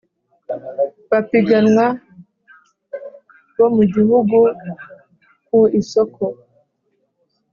Bapiganwa bo mu gihugu ku isoko